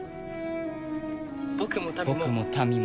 僕も民も。